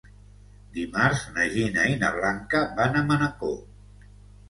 Dimarts na Gina i na Blanca van a Manacor.